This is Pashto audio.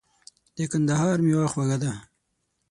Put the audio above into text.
د کندهار مېوه خوږه ده .